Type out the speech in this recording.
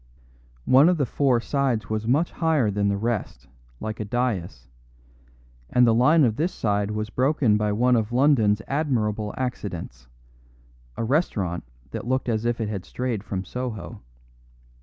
One of the four sides was much higher than the rest, like a dais; and the line of this side was broken by one of London's admirable accidents a restaurant that looked as if it had strayed from Soho.